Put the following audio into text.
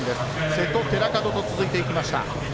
瀬戸、寺門と続いていきました。